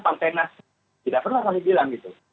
partai nasdem tidak pernah kami bilang gitu